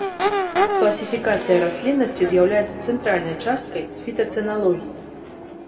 Класіфікацыя расліннасці з'яўляецца цэнтральнай часткай фітацэналогіі.